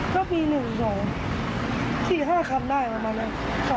ก็มีหนึ่งสองสี่ห้าคันได้ประมาณนั้น